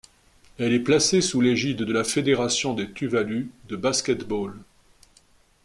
Elle est placée sous l'égide de la Fédération des Tuvalu de basket-ball.